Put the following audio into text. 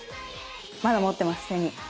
まだ持ってます手に。